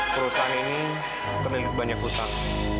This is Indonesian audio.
perusahaan ini terlilat banyak usang